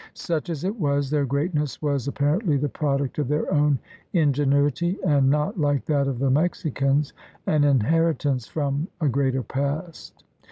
Such as it was, their greatness was ap parently the product of their own ingenuity and not, like that of the Mexicans, an inheritance from a greater past.